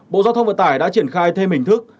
bộ giao thông vận tải đã triển khai thêm hình thức